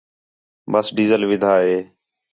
بس ڈیزل وِدھا ہے